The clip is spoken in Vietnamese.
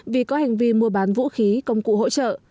vì có hành vi mua bán vũ khí công cụ hỗ trợ